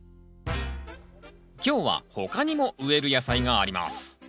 今日は他にも植える野菜があります